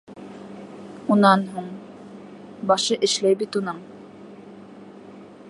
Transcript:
Унан һуң... башы эшләй бит уның.